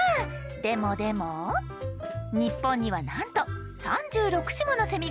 でもでも日本にはなんと３６種ものセミがいるんですよ！